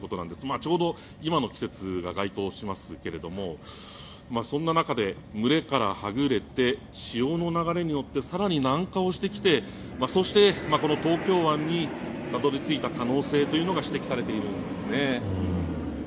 ちょうど今の季節が該当しますけれどもそんな中で群れからはぐれて潮の流れに乗って南下をしてきてそして、この東京湾にたどり着いた可能性というのが指摘されているんですね。